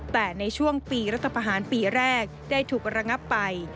แต่ในช่วงปีรัฐประหารปีแรกได้ถูกระงับไป